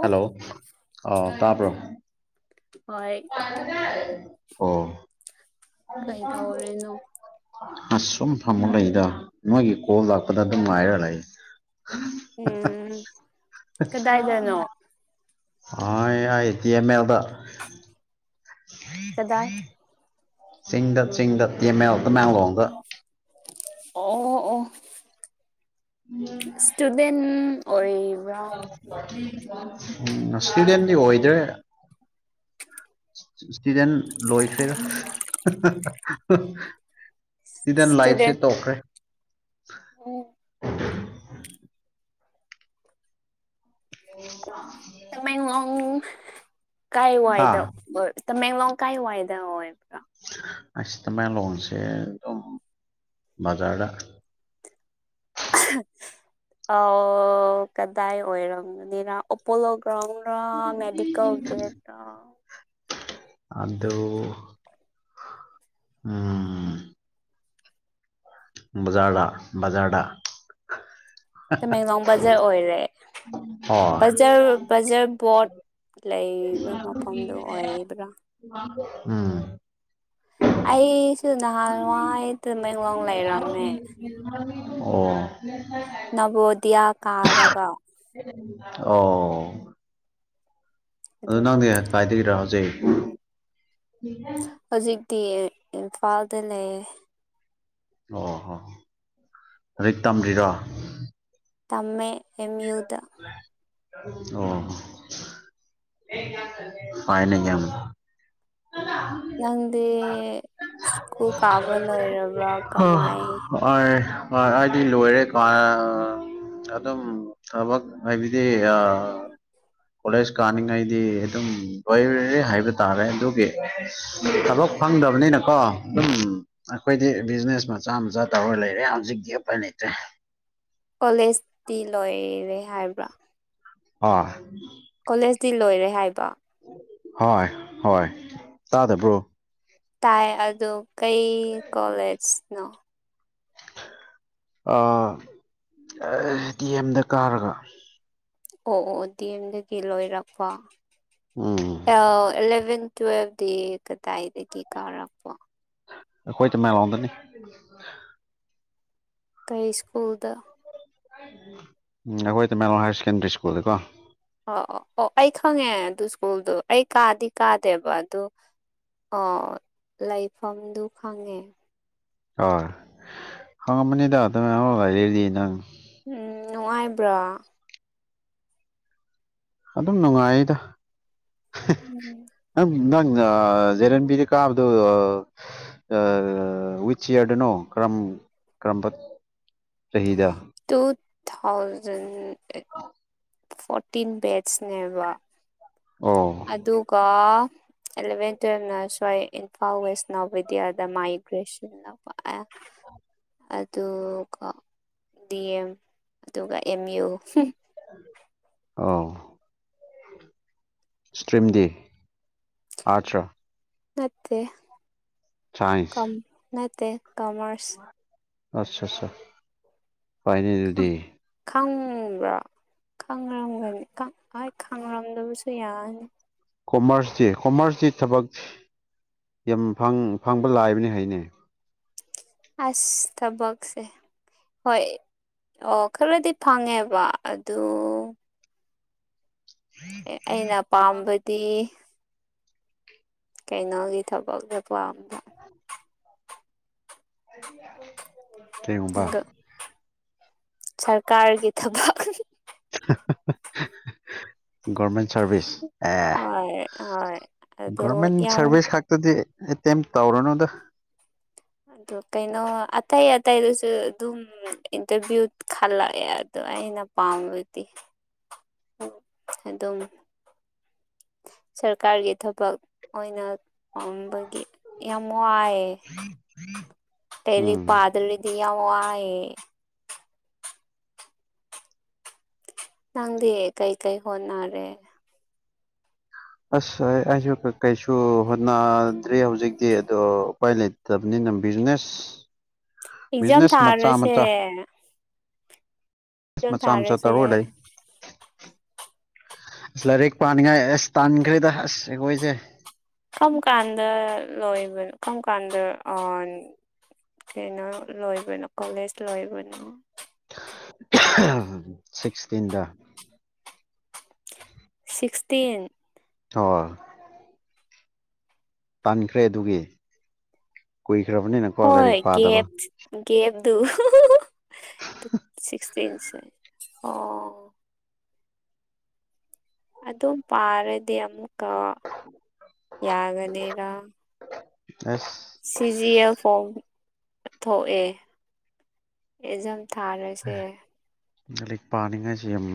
hello ꯑ ꯇꯥꯔꯕ꯭ꯔꯣ ꯍꯣꯏ ꯑꯣ ꯀꯩ ꯇꯧꯔꯤꯅꯣ ꯑꯁ ꯁꯨꯝ ꯐꯝꯃ ꯂꯩꯏꯗ ꯅꯣꯏꯒꯤ ꯀꯣꯜ ꯂꯥꯛꯄꯗ ꯑꯗꯨꯝ ꯉꯥꯏꯔ ꯂꯩ ꯎꯝ ꯀꯗꯥꯏꯗꯅꯣ [unintelligible] ꯀꯗꯥꯏ [unintelligible] ꯆꯤꯡꯗ ꯆꯤꯡꯗ ꯇꯤ ꯑꯦꯝ ꯑꯦꯜ ꯇꯥꯃꯦꯡꯂꯣꯡꯗ ꯑꯣ ꯑꯣ ꯏꯁꯇꯨꯗꯦꯟ ꯑꯣꯏ ꯎꯝ ꯏꯁꯇꯨꯗꯦꯟꯗꯤ ꯑꯣꯏꯗ꯭ꯔꯦ ꯁꯤꯗꯅ ꯂꯣꯏꯈꯔꯦꯗ ꯁꯤꯗ ꯂꯥꯏꯐꯁꯦ ꯏꯁꯇꯨꯗꯦꯟ ꯇꯧꯈ꯭ꯔꯦ ꯎꯝ ꯍ ꯀꯥꯏ ꯋꯥꯏꯗ ꯇꯃꯦꯡꯂꯣꯡ ꯀꯥꯏ ꯋꯥꯏꯗ ꯑꯣꯏ ꯑꯁꯤ ꯇ ꯃꯥ ꯂꯣꯣꯟꯁꯦꯝ ꯖꯥꯗ ꯑ ꯀꯗꯥꯏ ꯑꯣꯏꯔꯝꯅꯤꯅ ꯑꯣꯄꯣꯂꯣ ꯔꯝ ꯃꯦꯗꯤꯀꯦꯜꯒꯦꯠ ꯑꯗꯣ ꯎꯝ ꯕꯖꯥꯔꯗ ꯕꯖꯥꯔꯗ ꯇꯃꯦꯡꯂꯣꯡ ꯕꯖꯥꯔ ꯑꯣꯏꯔꯦ ꯑꯣ ꯕꯖꯥꯔ ꯕꯖꯥꯔ ꯕꯣꯠ ꯑꯣꯏꯕ꯭ꯔꯥ ꯎꯝ ꯑꯩꯁꯨ ꯅꯍꯥꯟꯋꯥꯏ ꯇꯃꯦꯡꯂꯣꯡ ꯂꯩꯔꯝꯃꯦ ꯅꯕꯣꯗꯤꯌꯥ ꯑꯣ ꯀꯥꯔꯒ ꯑꯣ ꯑꯗꯨ ꯅꯪꯗꯤ ꯀꯥꯏꯗꯩꯩꯔ ꯍꯧꯖꯤꯛ ꯇꯤ ꯏꯝꯐꯥꯜꯗ ꯂꯩꯌꯦ ꯑꯣ ꯍꯣ ꯍꯧꯖꯤꯛ ꯇꯝꯗ꯭ꯔꯤꯔꯣ ꯇꯝꯃꯦ ꯑꯦꯝꯌꯨꯗ ꯑꯣ ꯐꯥꯏꯅꯦ ꯌꯥꯝ ꯅꯪꯗꯤ ꯁ꯭ꯀꯨꯜ ꯀꯥꯕ ꯂꯣꯏꯔꯕ꯭ꯔ ꯀꯃꯥꯏ ꯍꯣꯏ ꯑꯩꯗꯤ ꯂꯣꯏꯔꯦ ꯀꯣ ꯑꯗꯨꯝ ꯊꯕꯛ ꯍꯥꯏꯕꯗꯤ ꯑ ꯀꯣꯂꯦꯖ ꯀꯥꯅꯤꯡꯉꯩꯗꯤ ꯑꯗꯨꯝ ꯂꯔꯦ ꯍꯥꯏꯕ ꯇꯥꯔꯦ ꯑꯗꯨꯒꯤ ꯊꯕꯛ ꯐꯪꯗꯕꯅꯤꯅꯀꯣ ꯑꯗꯨꯝ ꯑꯩꯈꯣꯏꯗꯤ ꯕꯤꯖꯤꯅꯦꯁ ꯃꯆꯥ ꯃꯆꯥ ꯇꯧꯔ ꯂꯩꯔꯦ ꯍꯧꯖꯤꯛ ꯒꯦ ꯐꯅꯩꯦ [unintelligible] ꯀꯣꯂꯦꯖꯇꯤ ꯂꯣꯏꯔꯦ ꯍꯥꯏꯕ꯭ꯔꯥ ꯑ ꯀꯣꯂꯦꯖꯇꯤ ꯂꯣꯏꯔꯦ ꯍꯥꯏꯕ ꯍꯣꯏ ꯍꯣꯏ ꯇꯥꯗꯕ꯭ꯔꯣ ꯇꯥꯏ ꯑꯗꯨ ꯀꯩ ꯀꯣꯂꯦꯖꯅꯣ ꯇꯤ ꯑꯦꯝꯗ ꯀꯥꯔꯒ ꯑꯣ ꯑꯣ ꯗꯤ ꯑꯦꯝꯗꯒꯤ ꯂꯣꯏꯔꯛꯄ ꯎꯝ ꯑꯦꯂꯚꯦꯟ ꯇꯨꯋꯦꯜꯐꯗꯤ ꯀꯗꯥꯏꯗꯒꯤ ꯀꯥꯔꯛꯄꯣ ꯈꯣꯏ ꯇ ꯃ ꯂꯥꯎꯗꯅꯤ ꯀꯩ ꯁ꯭ꯀꯨꯜꯗ ꯎꯝ ꯑꯩꯈꯣꯏ ꯇ ꯃꯂꯣ ꯍꯥꯏꯌꯔ ꯁꯦꯀꯦꯟꯗꯔꯤ ꯁ꯭ꯀꯨꯜꯗꯀꯣ ꯑꯣ ꯑꯣ ꯑꯣ ꯑꯩ ꯈꯪꯉꯦ ꯑꯗꯨ ꯁ꯭ꯀꯨꯜꯗꯣ ꯑꯩ ꯀꯥꯗꯤ ꯀꯥꯗꯦꯕ ꯑꯗꯨ ꯑꯣ ꯂꯩꯐꯝꯗꯨ ꯈꯪꯉꯦ ꯍ ꯍꯉꯄꯅꯤꯗ ꯇꯗꯤ ꯅꯪ ꯎꯝ ꯅꯨꯡꯉꯥꯏꯕ꯭ꯔꯥ ꯑꯗꯨꯝ ꯅꯨꯡꯉꯥꯏꯗ ꯎꯝ ꯅꯪ ꯅꯪ ꯖꯦꯔꯦꯟꯕꯤꯗꯤ ꯀꯥꯕꯗꯨꯣ ꯋꯤꯠ ꯏꯌꯥꯔꯗꯅꯣ ꯀꯔꯝ ꯀꯔꯝꯕ ꯆꯍꯤꯗ ꯇꯨ ꯊꯥꯎꯖꯟ ꯑꯩꯠ ꯐꯣꯔꯇꯤꯟ ꯕꯠꯁꯅꯦꯕ ꯑꯣ ꯑꯗꯨ ꯀ ꯑꯦꯂꯚꯦꯟ ꯇꯨꯋꯜꯞꯅ ꯁ꯭ꯋꯥꯏ ꯏꯝꯐꯥꯜ ꯋꯦꯁ ꯅꯕꯦꯗꯤꯌꯥꯗ ꯃꯥꯏꯒ꯭ꯔꯦꯁꯟ ꯑꯗꯨꯒ ꯗꯤ ꯑꯦꯝ ꯑꯗꯨꯒ ꯑꯦꯝ ꯌꯨ ꯑ ꯁꯇ꯭ꯔꯤꯝ ꯗꯦ ꯑ ꯅꯠꯇꯦ ꯁꯥꯏꯟꯁ ꯅꯠꯇꯦ ꯀꯃꯔꯁ ꯑꯆꯥ ꯑꯠꯆꯥ ꯐꯥꯏꯅꯦ ꯗꯦ ꯈꯪꯕ꯭ꯔꯥ ꯈꯪꯔꯝꯒꯅꯤ ꯍꯣꯏ ꯈꯪꯔꯝꯗꯕꯁꯨ ꯌꯥꯅꯤ ꯀꯣꯃꯔꯁꯁꯤ ꯀꯣꯃꯔꯁꯁꯤ ꯊꯕꯛ ꯌꯥꯝ ꯐꯪꯕ ꯂꯥꯛꯏꯕꯅꯤ ꯍꯥꯏꯅꯦ ꯑꯁ ꯊꯕꯁꯦ ꯍꯣꯏ ꯑꯣ ꯈꯔꯗꯤ ꯐꯪꯉꯦꯕ ꯑꯗꯨ ꯑꯦ ꯑꯩꯅ ꯄꯥꯝꯕꯗꯤ ꯀꯩꯅꯣꯒꯤ ꯊꯕꯛꯁꯦ ꯄꯥꯝꯕ ꯀꯨꯝꯕ ꯁꯔꯀꯥꯒꯤ ꯊꯕ ꯒꯚꯃꯦꯟ ꯁꯔꯚꯤꯁꯁ ꯑꯦ ꯍꯣꯏ ꯍꯣꯏ ꯑꯗꯨ ꯒꯣꯔꯃꯦꯟ ꯌꯥꯝ ꯁꯥꯔꯚꯤꯁ ꯈꯛꯇꯗꯤ ꯑꯦ ꯇ ꯇꯧꯔꯅꯨꯗ ꯑꯗꯣ ꯀꯩꯅꯣ ꯑꯇꯥꯏ ꯑꯇꯥꯏꯗꯁꯨ ꯑꯗꯨꯝ ꯏꯟꯇꯔꯚꯤꯌꯨ ꯈꯜꯂꯛꯑꯦ ꯑ ꯑ ꯑꯩꯅ ꯄꯥꯝꯕꯗꯤ ꯑꯗꯨꯝ ꯁꯔꯀꯥꯔꯒꯤ ꯊꯕꯛ ꯑꯣꯏꯅ ꯇꯪꯕꯒꯤ ꯌꯥꯝꯃꯣꯑ ꯄꯦꯔꯤ ꯎꯝ ꯄꯥꯗꯂꯤꯗꯤꯌꯥ ꯋꯥꯑ ꯅꯪꯗꯤ ꯀꯩ ꯀꯩ ꯍꯅꯔꯦ ꯑꯁ ꯑꯩꯁꯨ ꯀꯩꯁꯨ ꯍꯣꯠꯅꯗ꯭ꯔꯤ ꯍꯧꯖꯤꯛꯇꯤ ꯑꯗꯣ ꯎꯄꯥꯏ ꯂꯩꯇꯕꯅꯤꯅ ꯕꯤꯖꯤꯅꯦꯁ ꯑꯦꯛꯖꯥꯝ ꯕꯤꯖꯤꯅꯦꯁ ꯃꯆꯥ ꯊꯥꯔꯁꯦ ꯑꯃꯆꯥ ꯐꯤꯂꯝ ꯃꯆꯥ ꯃꯆꯥ ꯊꯥꯔꯣꯏꯁꯦ ꯇꯔꯣ ꯂꯩ ꯑꯁ ꯂꯥꯏꯔꯤꯛ ꯄꯥꯅꯤꯡꯉꯥꯏ ꯑꯁ ꯇꯥꯟꯈ꯭ꯔꯦꯗ ꯑꯁꯈꯣꯏꯁꯦ ꯀꯔꯝ ꯀꯥꯟꯗ ꯂꯣꯏꯕꯅꯣ ꯀꯔꯝ ꯀꯥꯟꯗ ꯇ꯭ꯔꯦꯅ ꯂꯣꯏꯕꯅ ꯀꯂꯦꯖ ꯂꯣꯏꯕꯅ ꯁꯤꯛꯁꯇꯤꯟꯗ ꯁꯤꯛꯁꯇꯤꯟ ꯍ ꯇꯥꯟꯈ꯭ꯔꯦ ꯑꯗꯨꯒꯤ ꯀꯨꯏ ꯍꯣꯏ ꯞꯦꯞ ꯁꯤꯛꯁꯇꯤꯟꯁ ꯑꯣ ꯑꯗꯨꯝ ꯄꯥꯔꯗꯤ ꯑꯃꯨꯛꯀ ꯌꯥꯒꯅꯤꯔꯥ ꯑꯥ ꯁꯤꯖꯤ ꯑꯦ ꯐꯣꯝ ꯊꯣꯛꯑꯦ ꯊꯥꯔꯁꯦ ꯂꯥꯏꯔꯤꯛ ꯄꯥꯅꯤꯡꯉꯥꯏꯁꯤ ꯌꯥꯝ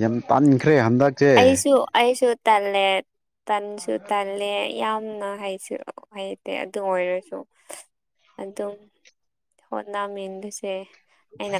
ꯌꯥꯝ ꯇꯈ꯭ꯔ ꯦ ꯍꯝꯗ ꯆꯦ ꯑꯩꯁꯨ ꯑꯩꯁꯨ ꯇꯜꯂꯦ ꯇꯟꯁꯨ ꯇꯜꯂꯦ ꯌꯥꯝ ꯍꯩꯇꯦ ꯑꯗꯨ ꯑꯣꯏꯔꯁꯨ ꯍ ꯍꯣꯠꯅꯃꯤꯦꯟꯕꯁꯦ ꯑꯩꯅ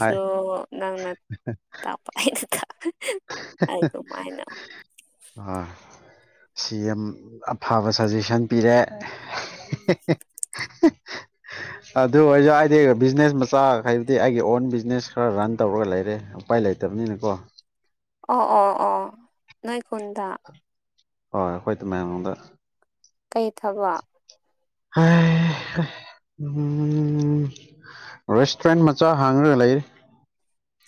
ꯍꯥꯏ ꯅꯪꯅ ꯇꯥꯛꯄ ꯑꯩꯅ ꯑꯩ ꯑꯗꯨꯃꯥꯏꯅ ꯑꯥ ꯁꯤ ꯌꯥꯝ ꯑꯐꯕ ꯁꯖꯦꯁꯟ ꯄꯤꯔꯦ [unintelligible] ꯑꯗꯨ ꯑꯣꯏꯔꯖꯥ ꯍꯥꯏꯗꯤ ꯕꯤꯖꯤꯅꯦꯁ ꯃꯆꯥ ꯍꯥꯏꯩꯕꯗꯤ ꯑꯩꯒꯤ ꯑꯣꯟ ꯕꯤꯖꯤꯅꯦꯁ ꯈꯔ ꯔꯟ ꯇꯧꯔꯒ ꯂꯩꯔꯦ ꯎꯄꯥꯏ ꯂꯩꯇꯦ ꯂꯩꯇꯕꯅꯤꯅꯀꯣ ꯑꯣ ꯑꯣ ꯑꯣ ꯅꯣꯏ ꯀꯣꯟꯗ ꯍꯣꯏ ꯍꯣꯏ ꯇꯣ ꯃꯌꯥꯝ ꯑꯃꯗ ꯀꯩ ꯊꯕ [unintelligible] ꯔꯦꯁꯇꯨꯔꯦꯟ ꯃꯆꯥ ꯍꯥꯡꯉꯒ ꯂꯩꯔꯤ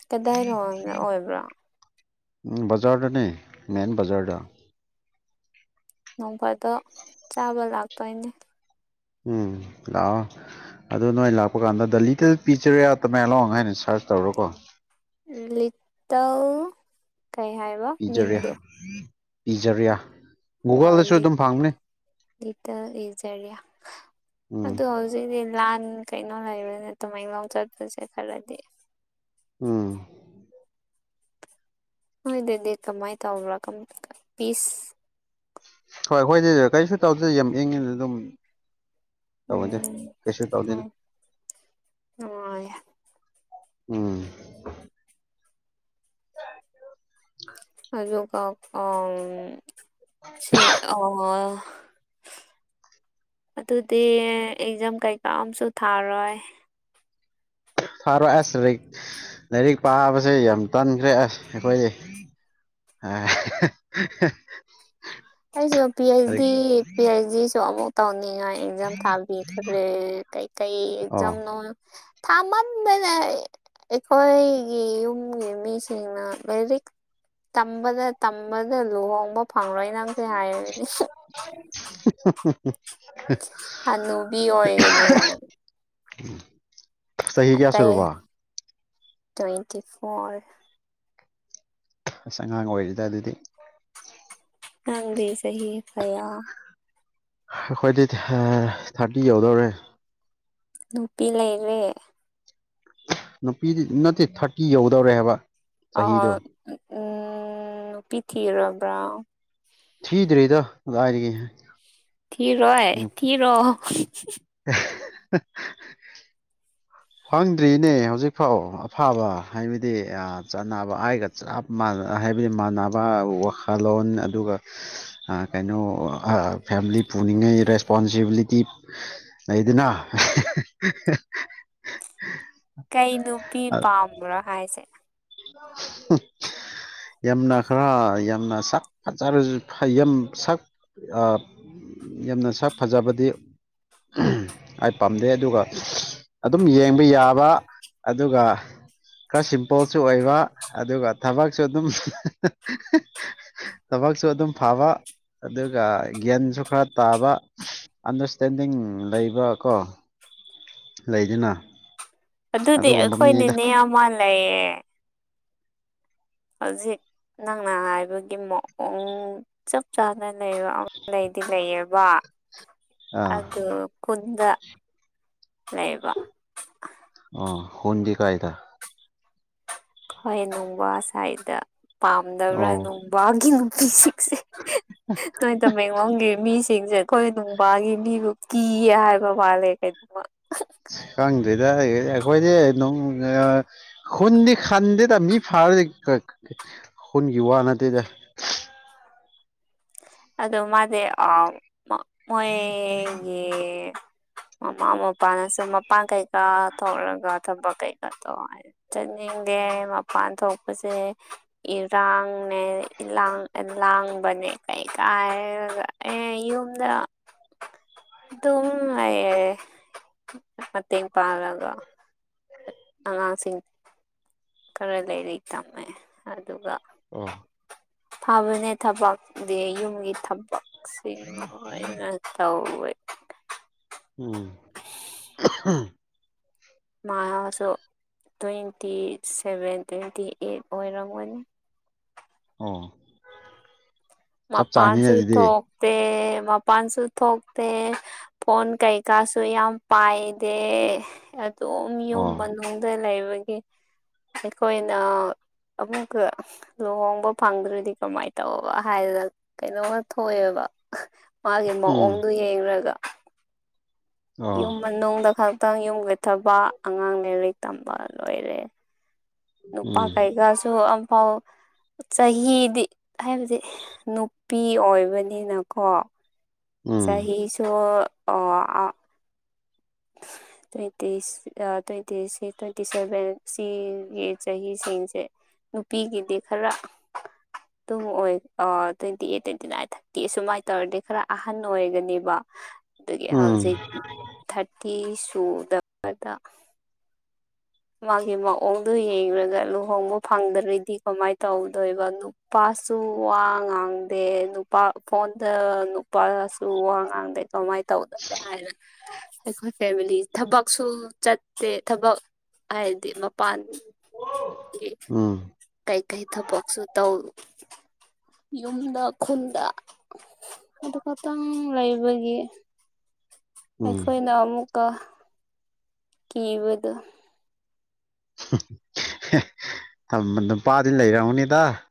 ꯀꯗꯥꯏꯅꯣ ꯑꯣꯏꯕ꯭ꯔꯣ ꯎꯝ ꯕꯖꯔꯗꯅꯦ ꯃꯦꯟ ꯕꯖꯔꯗ ꯅꯣꯡꯐꯥꯗꯣ ꯆꯥꯕ ꯂꯥꯛꯇꯣꯏꯅꯦ ꯎꯝ ꯂꯑꯣ ꯑꯗꯨꯣ ꯅꯣꯏ ꯂꯥꯛꯄ ꯀꯥꯟꯗ ꯗ ꯂꯤꯇꯜ ꯄꯤꯛꯆꯔꯌꯥ ꯇ ꯃꯌꯥꯂꯣ ꯍꯥꯏꯅ ꯁꯥꯔꯁ ꯇꯧꯔꯣꯀꯣ ꯂꯤꯇꯊꯧ ꯄꯤꯖꯔꯤ ꯄꯤꯖꯔꯤꯌꯥ ꯒꯨꯒꯜꯗꯁꯨ ꯑꯗꯨꯝ ꯐꯪꯅꯤ ꯇ ꯍꯖꯔꯤꯌꯥ ꯑ ꯎꯝ ꯍꯧꯖꯤꯗꯤ ꯂꯥꯟ ꯀꯩꯅꯣ ꯂꯩꯕꯅꯤ ꯇꯨꯃꯥꯏꯂꯣ ꯆꯠꯄꯁꯦ ꯈꯜꯔꯗꯤ ꯎꯝ ꯍꯣꯏ ꯑꯗꯨꯗꯤ ꯀꯃꯥꯏꯅ ꯇꯧꯕ꯭ꯔꯥ ꯄꯤꯁ ꯍꯣꯏ ꯍꯣꯏꯗꯤ ꯀꯔꯤꯁꯨ ꯇꯧꯗꯦ ꯌꯥꯝꯃꯛ ꯏꯉꯤ ꯑꯗꯨꯝ ꯇꯃꯗꯤ ꯎꯝ ꯀꯩꯁꯦ ꯇꯧꯗꯅ ꯎꯝ ꯅꯨꯡꯉꯥꯏ ꯎꯝ [unintelligible] ꯣ ꯀ ꯑ ꯁꯤ ꯑ ꯑꯗꯨꯗꯤ ꯑꯦꯛꯖꯥꯝ ꯀꯩꯀꯥ ꯑꯝꯁꯨ ꯊꯥꯔꯣꯏ ꯐꯔꯣꯏ ꯑꯁ ꯂꯥꯏꯔꯤꯛ ꯂꯥꯏꯔꯤꯛ ꯄꯥꯕꯁꯦ ꯌꯥꯝ ꯇꯟꯈ꯭ꯔꯦ ꯑꯁ ꯑꯩꯈꯣꯏ ꯑ ꯑꯩꯁꯨ P H D P H ꯗꯤꯁꯨ ꯃ ꯇ ꯉ ꯑꯦꯛꯖꯥꯝ ꯊꯥꯕꯤꯈ꯭ꯔꯦ ꯀꯩꯀꯩ ꯑꯣ ꯑꯦꯛꯖꯥꯝꯅꯣ ꯊꯥꯃꯟ ꯃꯅ ꯑꯩꯈꯣꯏꯒꯤ ꯌꯨꯝꯒꯤ ꯃꯤꯁꯤꯡꯅ ꯂꯥꯏꯔꯤꯛ ꯇꯝꯕꯗ ꯇꯝꯕꯗ ꯂꯨꯍꯝꯕ ꯐꯥꯉ ꯁꯦ ꯍꯥꯏꯅꯦ ꯍ ꯍꯅꯨꯕꯤ ꯑꯣꯏꯒꯅꯤ ꯍꯥꯏꯔ ꯆꯍꯤ ꯍ ꯀꯌꯥꯌꯥꯁ ꯔꯔꯕ ꯇ꯭ꯋꯦꯟꯇꯤ ꯐꯣꯔ ꯑꯁ ꯑꯉꯥꯡ ꯑꯣꯏꯔꯤꯗ ꯑꯗꯨꯗꯤ ꯅꯪꯗꯤ ꯁꯍꯤ ꯍꯥꯏꯌꯥ ꯑꯩꯈꯣꯏꯗꯤ ꯊꯥꯔꯇꯤ ꯌꯧꯗꯧꯔꯦ ꯅꯨꯄꯤ ꯂꯩꯔꯦ ꯅꯨꯄꯤꯗꯤ ꯅꯠꯇꯦ ꯊꯥꯔꯇꯤ ꯌꯧꯗꯧꯔꯦ ꯍꯥꯏꯕ ꯑ ꯍ ꯆꯍꯤꯗꯣ ꯎꯝ ꯄꯤꯊꯤꯔꯕ꯭ꯔꯥ ꯊꯤꯗꯤꯔꯦꯗ ꯑꯥꯏꯔꯤꯒꯦꯍ ꯊꯤꯔꯣꯥꯏ ꯊꯤꯔꯣ [unintelligible] ꯐꯪꯗ꯭ꯔꯤꯅꯦ ꯍꯧꯖꯤꯛꯐꯥꯎ ꯑꯐꯕ ꯍꯥꯏꯕꯗꯤ ꯆꯥꯟꯅꯕ ꯍꯥꯏꯒ ꯆꯞ ꯃꯥꯟꯅ ꯍꯥꯏꯕꯗꯤ ꯃꯥꯟꯅꯕ ꯋꯥꯈꯜꯂꯣꯟ ꯑꯗꯨꯒ ꯀꯩꯅꯣ ꯐꯦꯃꯤꯂꯤ ꯄꯨꯅꯤꯡꯉꯥꯏ ꯔꯦꯁꯄꯣꯟꯁꯤꯕꯤꯂꯤꯇꯤ ꯂꯩꯗꯅ [unintelligible] ꯀꯩ ꯅꯨꯄꯤ ꯄꯥꯝꯕ꯭ꯔꯣ ꯍꯥꯏꯁꯦ ꯎ ꯌꯥꯝꯅ ꯈꯔ ꯌꯥꯝꯅ ꯁꯛ ꯐꯖꯔꯁꯨ ꯌꯥꯝ ꯁꯛ ꯌꯥꯝꯅ ꯁꯛ ꯐꯖꯕꯗꯤ ꯑꯩ ꯄꯥꯝꯗꯦ ꯑꯗꯨꯒ ꯑꯗꯨꯝ ꯌꯦꯡꯕ ꯌꯥꯕ ꯑꯗꯨꯒ ꯈꯔ ꯁꯤꯝꯄꯜ ꯁꯨ ꯑꯣꯏꯕ ꯑꯗꯨꯒ ꯊꯕꯛꯁꯨ ꯑꯗꯨꯝ ꯊꯕꯛꯁꯨ ꯑꯗꯨꯝ ꯐꯕ ꯑꯗꯨꯒ ꯒ꯭ꯌꯥꯟꯁꯨ ꯈꯔ ꯇꯥꯕ ꯑꯟꯗꯔꯁꯇꯦꯟꯗꯤꯡ ꯂꯩꯕ ꯀꯣ ꯂꯩꯗꯨꯅ ꯑꯗꯨꯗꯤ ꯑꯩꯈꯣꯏꯅꯤꯅꯦ ꯃꯥꯜ ꯂꯩꯌꯦꯦ ꯍꯧꯖꯤ ꯅꯪꯅ ꯍꯥꯏꯕꯒꯤ ꯃꯑꯣꯡ ꯆꯞ ꯆꯥꯅ ꯂꯩꯕ ꯂꯩꯗꯤ ꯂꯩꯌꯦꯕ ꯑꯥ ꯑꯗꯨꯗ ꯈꯨꯟꯗ ꯂꯩ ꯂꯩꯕ ꯑ ꯍꯟꯗꯤ ꯀꯥꯏ ꯊ ꯍꯣꯏ ꯅꯨꯡꯕꯥꯁ꯭ꯋꯥꯏꯗ ꯄꯥꯝꯗꯕ꯭ꯔꯥ ꯑꯣ ꯅꯨꯡꯕꯥꯒꯤ ꯅꯨꯄꯤꯁꯤ ꯅꯣꯏ ꯇꯃꯦꯡꯂꯣꯡꯒꯤ ꯃꯤꯁꯤꯡꯁꯦ ꯑꯩꯈꯣꯏ ꯅꯨꯡꯕꯥꯒꯤ ꯃꯤꯕꯨ ꯀꯌꯦ ꯍꯥꯏꯕ ꯃꯥꯜꯂꯦ ꯀꯩꯗꯕ ꯈꯪꯗ꯭ꯦꯗ ꯑꯩꯈꯣꯏꯗꯤ ꯈꯨꯟꯗꯤ ꯈꯟꯗꯦꯗ ꯃꯤ ꯐꯥꯔꯗꯤ ꯍꯨꯟꯒꯤ ꯋꯥ ꯅꯠꯇꯦꯗ [unintelligible] ꯑꯗꯣ ꯃꯥꯦ ꯑ ꯃꯒꯤ ꯃꯃꯥ ꯃꯄꯥꯅꯁꯨ ꯃꯄꯥꯟ ꯀꯩꯀꯥ ꯊꯧꯔꯒ ꯊꯕꯛ ꯀꯩꯀꯥ ꯇꯧ ꯍꯥꯏ ꯆꯠꯅꯤꯡꯗꯦ ꯃꯄꯥꯟ ꯊꯣꯛ ꯁꯦ ꯏꯔꯥꯡꯅꯦ ꯂꯥꯡ ꯂꯥꯡꯕꯅꯦ ꯀꯩꯀꯥꯏꯒ ꯑꯦ ꯌꯨꯝꯗ ꯑꯗꯨꯝ ꯂꯩꯌꯦ ꯃꯇꯦꯡ ꯄꯥꯡꯉꯒ ꯑꯉꯥꯡꯁꯤꯡ ꯈꯔ ꯂꯩꯔꯤꯛ ꯇꯝꯃꯦ ꯑꯗꯨꯒ ꯑ ꯊꯥꯕꯅꯦ ꯊꯕꯛꯗꯤ ꯌꯨꯝꯒꯤ ꯊꯄꯛ ꯁꯤ ꯂꯣꯏꯅꯥ ꯇꯧꯏ ꯎꯝ ꯃꯥ ꯁꯣ ꯇ꯭ꯋꯦꯟꯇꯤ ꯁꯦꯚꯦꯟ ꯇ꯭ꯋꯦꯟꯇꯤ ꯑꯩꯠ ꯑꯣꯏꯔꯝꯒꯅꯤ ꯑ‌ꯠ ꯃꯄꯥꯟꯁꯨ ꯊꯣꯛꯄꯦ ꯃꯄꯥꯟꯁꯨ ꯊꯣꯛꯇꯦ ꯐꯣꯟ ꯀꯩꯀꯥꯁꯨ ꯌꯥꯝ ꯄꯥꯏꯗꯦ ꯑꯗꯨꯝ ꯌꯨꯝ ꯑꯣ ꯃꯅꯨꯡꯗ ꯂꯩꯕꯒꯤ ꯑꯩꯈꯣꯏꯅ ꯑꯃꯨꯛꯀ ꯂꯨꯍꯣꯡꯕ ꯐꯪꯗ꯭ꯔꯗꯤ ꯀꯃꯥꯏꯅ ꯇꯧꯕ ꯍꯥꯏꯅ ꯀꯩꯅꯣꯝꯃ ꯊꯣꯛꯑꯦꯕ ꯃꯥꯒꯤ ꯎꯝ ꯃꯑꯣꯡꯗꯨꯣ ꯌꯦꯡꯨꯔꯒ ꯑꯣ ꯌꯨꯝ ꯃꯅꯨꯡꯗ ꯈꯛꯇꯪ ꯌꯨꯝ ꯌꯊꯕ ꯑꯉꯥꯡ ꯂꯥꯏꯔꯤꯛ ꯇꯝꯕ ꯂꯣꯏꯔꯦ ꯅꯨꯄꯥ ꯎꯝ ꯀꯩꯀꯥꯁꯨ ꯑꯝꯐꯥꯎ ꯆꯍꯤꯗꯤ ꯍꯥꯏꯕꯗꯤ ꯅꯨꯄꯤ ꯑꯣꯏꯕꯅꯤꯅꯀꯣ ꯎꯝ ꯆꯍꯤ ꯆꯍꯤꯁꯨꯣ ꯑ [unintelligible] ꯇ꯭ꯋꯦꯟꯇꯤ ꯇ꯭ꯋꯦꯟꯇꯤ ꯇ꯭ꯋꯦꯟꯇꯤ ꯁꯚꯦꯟ ꯁꯤꯒꯤ ꯆꯍꯤꯁꯤꯡꯁꯦ ꯅꯨꯄꯤꯒꯤꯗꯤ ꯈꯔ ꯇꯨꯡ ꯑꯣꯏ twenty eight twenty nine thirty ꯁꯨꯃꯥꯏꯅ ꯇꯧꯔꯗꯤ ꯈꯔ ꯑꯍꯟ ꯑꯣꯏꯒꯅꯦꯕ ꯑꯗꯨꯒꯤ ꯍꯧꯖꯤꯛ ꯊꯥꯔꯇꯤ ꯁꯨꯗꯕꯗ ꯃꯥꯒꯤ ꯃꯑꯣꯡꯗꯨꯣ ꯌꯦꯡꯂꯡꯒ ꯂꯨꯍꯣꯡꯕꯥ ꯐꯪꯗ꯭ꯔꯗꯤ ꯀꯃꯥꯏꯅ ꯇꯧꯗꯣꯏꯕ ꯅꯨꯄꯥ ꯁꯨ ꯋꯥ ꯉꯥꯡꯗꯦ ꯅꯨꯄꯥ ꯐꯣꯟꯗ ꯅꯨ ꯅꯨꯄꯥꯁꯨ ꯋꯥ ꯉꯥꯡꯗꯩ ꯀꯃꯥꯏꯅ ꯇꯧꯗꯕ ꯍꯥꯏꯅ ꯑꯩꯈꯣꯏ ꯐꯦꯃꯤꯂꯤ ꯊꯕꯛꯁꯨ ꯆꯠꯇꯦ ꯊꯕꯛ ꯍꯥꯏꯗꯤ ꯃꯄꯥꯟ ꯎꯝ ꯀꯩ ꯀꯩ ꯊꯕꯣꯛꯁꯨꯣ ꯇꯧ ꯌꯨꯝꯗ ꯈꯨꯜꯗ ꯑꯗꯨ ꯈꯛꯇꯪ ꯂꯩꯕꯒꯤ ꯎꯝ ꯎꯝ ꯑꯩꯈꯣꯏꯅ ꯑꯃꯨꯛꯀꯥ ꯀꯤꯕꯥꯗꯨ ꯅꯨꯄꯥꯗꯤ ꯂꯩꯔꯎꯅꯤꯗꯥ